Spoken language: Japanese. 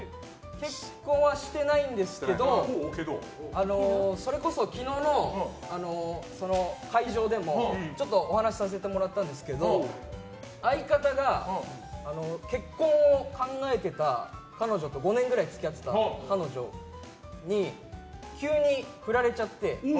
結婚はしてないんですけどそれこそ、昨日の会場でもちょっとお話しさせてもらったんですけど相方が結婚を考えていた５年ぐらい付き合ってた彼女に急に振られちゃって。